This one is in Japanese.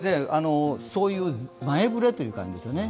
そういう前触れという感じですね。